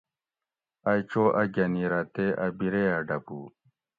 ائی چو اۤ گۤھنیرہ تے اۤ بِیریہ ڈۤپو